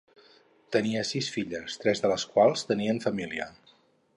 Tenia sis filles, tres de las quals tenien família.